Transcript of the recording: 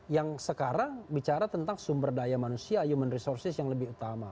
yang sekarang bicara tentang sumber daya manusia human resources yang lebih utama